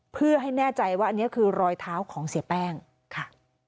เพื่อให้แน่ใจว่าอันนี้คือรอยเท้าของเสียแป้งค่ะ